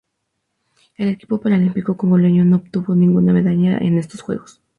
El equipo paralímpico congoleño no obtuvo ninguna medalla en estos Juegos.